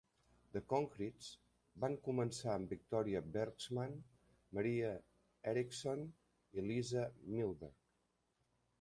The Concretes van començar amb Victoria Bergsman, Maria Eriksson i Lisa Milberg.